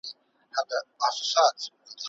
خلک د خپل منزلت له مخې پېژندل کیږي.